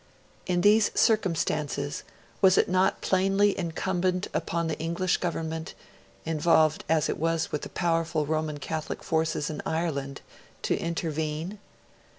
In these circumstances, was it not plainly incumbent upon the English Government, involved as it was with the powerful Roman Catholic forces in Ireland, to intervene?